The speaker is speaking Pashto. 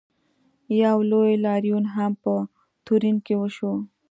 یو لوی لاریون هم په تورین کې وشو.